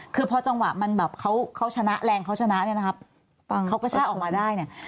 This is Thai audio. คือพอจังหวะมันแบบเขาชนะแรงเขาชนะเนี่ยนะครับเขากระชากออกมาได้เนี่ย